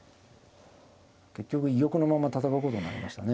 結局居玉のまま戦うことになりましたね。